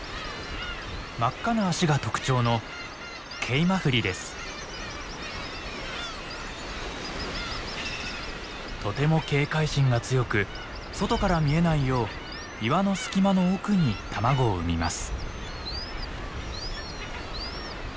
真っ赤な足が特徴のとても警戒心が強く外から見えないよう岩の隙間の奥に卵を産みます。